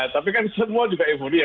tapi kan semua juga emulia